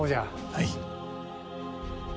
はい。